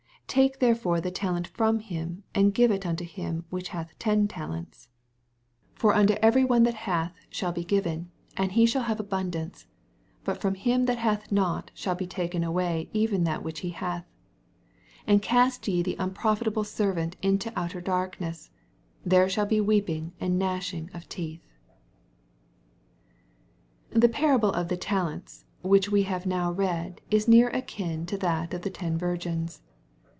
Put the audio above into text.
28 Take therefore the talent fh)ni him, and give U unto him which hatli ten talents. 886 SXPOSITO&T THOUGHTS. S9 For nnto eveiy one that hath •Hall be given, and he shall have aboniance : but fVom him that hath Dot shall be taken away even that which he hath. 80 And east ye the mtproAtabla servant into outer darkneea: there shall be weeping and gnashing of teeth. The parable of the talents which we have now read IB near akin to that of the ten virgins.